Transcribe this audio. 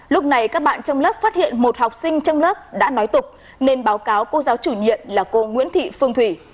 lúc này các bạn trong lớp phát hiện một học sinh trong lớp đã nói tục nên báo cáo cô giáo chủ nhiệm là cô nguyễn thị phương thủy